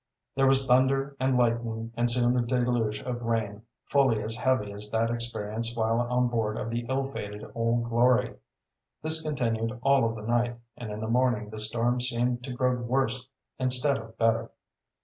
There was thunder and lightning, and soon a deluge of rain, fully as heavy as that experienced while on board of the ill fated Old Glory. This continued all of the night, and in the morning the storm seemed to grow worse instead of better.